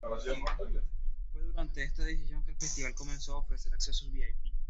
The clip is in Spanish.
Fue durante esta edición que el festival comenzó a ofrecer accesos vip.